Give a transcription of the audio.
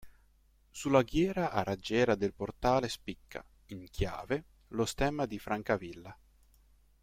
Sulla ghiera a raggiera del portale spicca, in chiave, lo stemma di Francavilla.